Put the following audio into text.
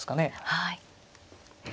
はい。